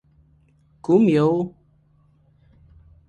_کوم يو؟